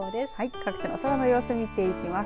各地の空の様子を見ていきます。